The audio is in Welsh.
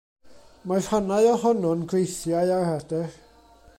Mae rhannau ohono'n greithiau aradr.